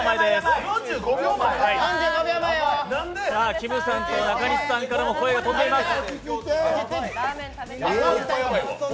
きむさんと中西さんからも声が飛んでいます。